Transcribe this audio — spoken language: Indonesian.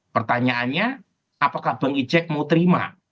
pertanyaannya apakah bang ijek mau terima